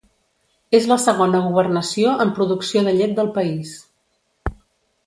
És la segona governació en producció de llet del país.